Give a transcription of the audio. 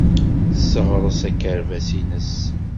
Tesseɣres akerbas-nnes.